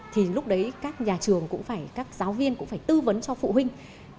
thì lúc đấy các nhà trường cũng phải các giáo viên cũng phải tư vấn cho phụ huynh